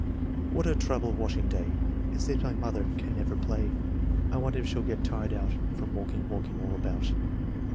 What a trouble washing day; It seems my mother can never play. I wonder if she'll get tired out From walking, walking all about.